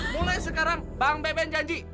mulai sekarang bang beben janji